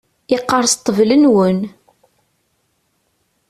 Yeqqerṣ ṭṭbel-nwen.